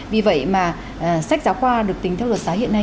vì vậy mà sách giáo khoa được tính theo luật giá hiện nay